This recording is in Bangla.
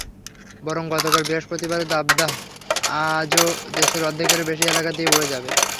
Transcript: বরং গতকাল বৃহস্পতিবারের দাবদাহ আজও দেশের অর্ধেকেরও বেশি এলাকা দিয়ে বয়ে যাবে।